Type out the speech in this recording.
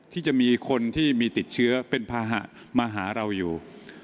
ที่จะมีคนที่มีติดเชื้อเป็นภาหะมาหาเราอยู่